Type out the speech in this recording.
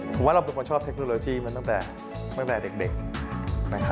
ผมว่าเราเป็นคนชอบเทคโนโลยีมาตั้งแต่เด็กนะครับ